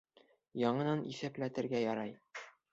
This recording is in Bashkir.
Яңынан иҫәпләтергә ярай